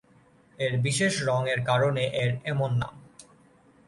এর বিশেষ রঙ এর কারণে এর এমন নাম।